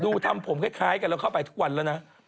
ดูทำผมคล้ายกับเราเข้าไปทุกวันแล้วน่ะ